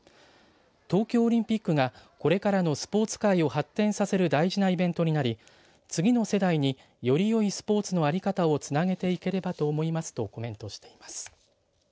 東京オリンピックがこれからのスポーツ界を発展させる大事なイベントになり次の世代によりよいスポーツの在り方をつなげていければと思いますとコメントしています。